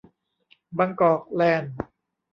บางกอกแลนด์